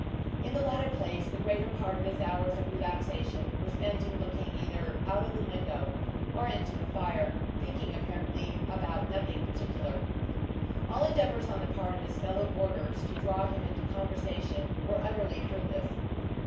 In the latter place, the greater part of his hours of relaxation were spent in looking either out of the window or into the fire; thinking, apparently, about nothing particular. All endeavours on the part of his fellow boarders to draw him into conversation were utterly fruitless.